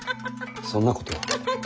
そんなことは。